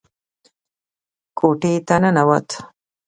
کوټې ته ننوت.